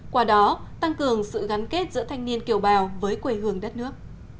qua đó tăng cường sự gắn kết giữa thanh niên kiểu bào với quê hương đất nước